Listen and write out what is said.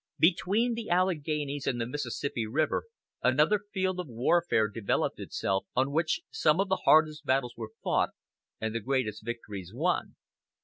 Between the Alleghanies and the Mississippi River another field of warfare developed itself, on which some of the hardest battles were fought, and the greatest victories won.